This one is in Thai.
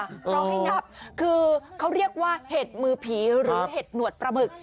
ต้องสูญค่ะเพราะให้นับคือเขาเรียกว่าเห็ดมือผีหรือเห็ดหนวดประมึก